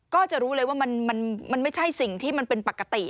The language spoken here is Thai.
ก็จะรู้เลยว่ามันไม่ใช่สิ่งที่มันเป็นปกติ